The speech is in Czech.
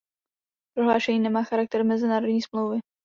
Prohlášení nemá charakter mezinárodní smlouvy.